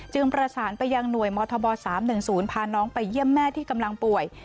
จึงประสานไปยังหน่วยมทบสามหนึ่งศูนย์พาน้องไปเยี่ยมแม่ที่กำลังป่วย